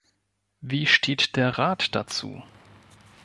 Wie steht der Rat dazu?